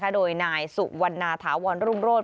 โดยนายสุวรรณฐาวรรณรุมโรธ